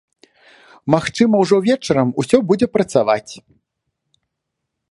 Магчыма, ужо вечарам усё будзе працаваць.